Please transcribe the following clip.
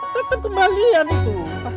tetap kembalian itu